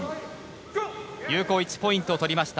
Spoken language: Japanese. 有効１ポイントを取りました。